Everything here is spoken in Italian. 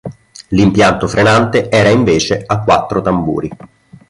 L'impianto frenante era invece a quattro tamburi.